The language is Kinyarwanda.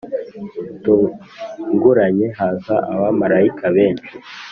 Butunguranye haza abamarayika benshi